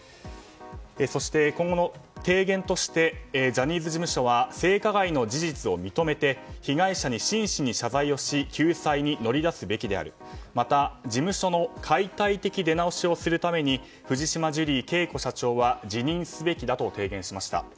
そして、今後の提言としてジャニーズ事務所は性加害の事実を認めて被害者に真摯を謝罪し救済に乗り出すべきであるまた事務所の解体的出直しをするために藤島ジュリー景子社長は辞任すべきだと提言しました。